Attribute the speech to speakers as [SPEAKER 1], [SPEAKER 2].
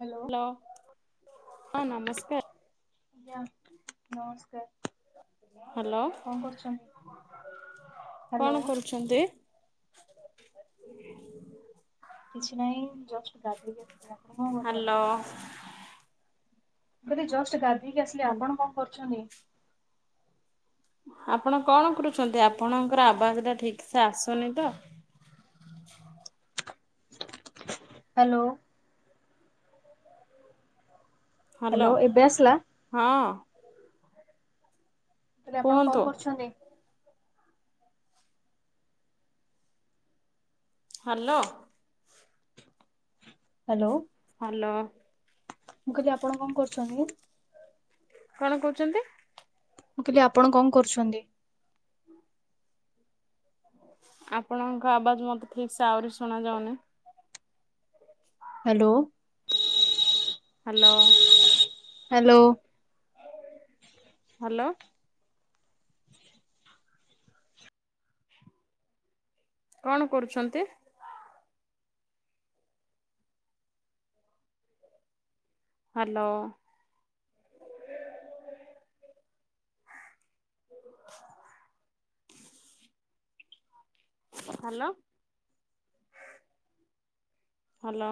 [SPEAKER 1] Hello
[SPEAKER 2] hello ହଁ ନମସ୍କାର।
[SPEAKER 1] ଆଜ୍ଞା ନମସ୍କାର।
[SPEAKER 2] ହାଲୋ
[SPEAKER 1] କଣ କରୁଛନ୍ତି? ହ୍ୟାଲୋ
[SPEAKER 2] କଣ କରୁ ଛନ୍ତି?
[SPEAKER 1] କିଛି ନାହିଁ ଜଷ୍ଟ ଗାଧେଇକି ଆସିଲି ଆପଣ କଣ କରୁଛନ୍ତି?
[SPEAKER 2] ଅ
[SPEAKER 1] ମୁଁ କହିଲି ଜଷ୍ଟ ଗାଧେଇକି ଆସିଲି ଆପଣ କଣ କରୁଛନ୍ତି?
[SPEAKER 2] ଆପଣ କଣ କରୁଛନ୍ତି ଆପଣଙ୍କର ଆବାଜ୍ ଟା ଠିକ ସେ ଆସୁନି ତ।
[SPEAKER 1] ହାଲୋ।
[SPEAKER 2] ହାଲୋ
[SPEAKER 1] ହ୍ୟାଲୋ ଏବେ ଆସିଲା? ମୁଁ
[SPEAKER 2] ହଁ।
[SPEAKER 1] କହିଲି ଆପଣ
[SPEAKER 2] କୁହନ୍ତୁ
[SPEAKER 1] କଣ କରୁଛନ୍ତି?
[SPEAKER 2] ହାଲୋ।
[SPEAKER 1] ହାଲୋ।
[SPEAKER 2] ହାଲୋ।
[SPEAKER 1] ମୁଁ କିହିଲି ଆପଣ କଣ କରୁଛନ୍ତି?
[SPEAKER 2] କଣ କହୁଛନ୍ତି?
[SPEAKER 1] ମୁଁ କହିଲି ଆପଣ କଣ କରୁଛନ୍ତି?
[SPEAKER 2] ଆପଣଙ୍କ ଆବାଜ ମୋତେ ଠିକ୍ ସେ ଆହୁରି ଶୁଣା ଯାଉନି।
[SPEAKER 1] ହାଲୋ।
[SPEAKER 2] ହାଲୋ।
[SPEAKER 1] ହ୍ୟାଲୋ।
[SPEAKER 2] ହାଲୋ। କଣ କରୁଛନ୍ତି? ହାଲୋ। ହାଲୋ।